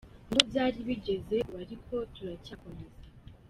Niho byari bigeze ubu ariko turacyakomeza.